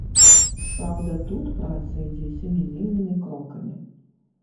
Праўда, тут праца ідзе сямімільнымі крокамі.